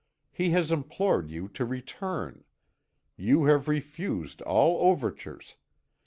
He has implored you to return. You have refused all overtures.